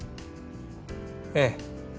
ええ。